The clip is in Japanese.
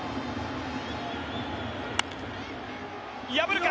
破るか？